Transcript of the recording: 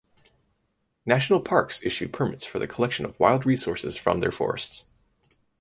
National parks issue permits for the collection of wild resources from their forests.